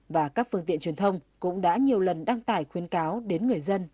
và các phương tiện truyền thông cũng đã nhiều lần đăng tải khuyên cáo đến người dân